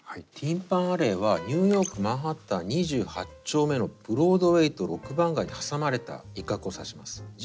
ティン・パン・アレーはニューヨーク・マンハッタン２８丁目のブロードウェイと６番街に挟まれた一角を指します。